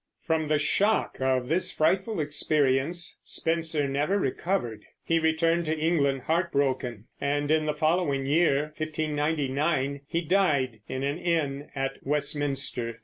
From the shock of this frightful experience Spenser never recovered. He returned to England heartbroken, and in the following year (1599) he died in an inn at Westminster.